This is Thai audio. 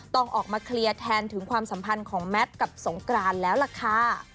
ต้องออกมาเคลียร์แทนถึงความสัมพันธ์ของแมทกับสงกรานแล้วล่ะค่ะ